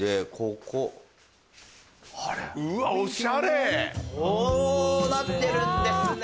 こうなってるんですね。